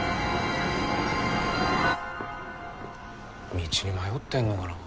道に迷ってんのかなぁ？